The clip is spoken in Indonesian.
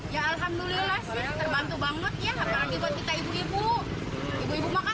ya alhamdulillah sih